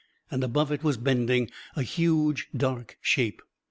And above it was bending a huge dark shape.